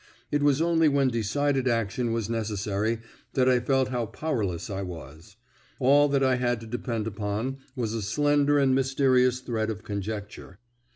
It was only when decided action was necessary that I felt how powerless I was. All that I had to depend upon was a slender and mysterious thread of conjecture.